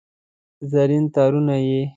زرین تارونه یې